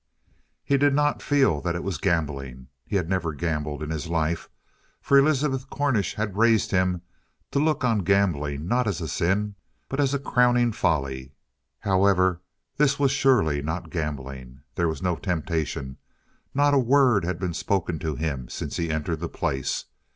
He did not feel that it was gambling. He had never gambled in his life, for Elizabeth Cornish had raised him to look on gambling not as a sin, but as a crowning folly. However, this was surely not gambling. There was no temptation. Not a word had been spoken to him since he entered the place.